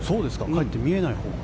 かえって見えないほうが。